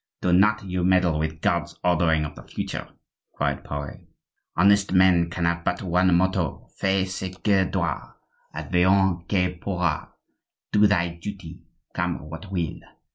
"Do not you meddle with God's ordering of the future!" cried Pare. "Honest men can have but one motto: Fais ce que dois, advienne que pourra!—do thy duty, come what will.